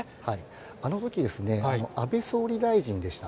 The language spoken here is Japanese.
あのとき、安倍総理大臣でした。